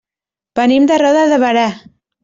Venim de Roda de Berà.